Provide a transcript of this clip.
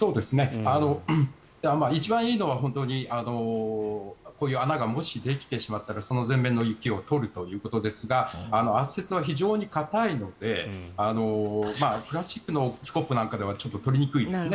一番いいのは、こういう穴がもしできてしまったらその前面の雪を取るということですが圧雪は非常に硬いのでプラスチックのスコップなんかではちょっと取りにくいですね。